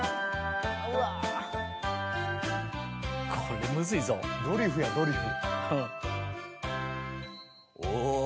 これムズいぞドリフやドリフ